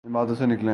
ان باتوں سے نکلیں۔